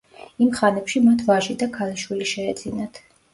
იმ ხანებში მათ ვაჟი და ქალიშვილი შეეძინათ.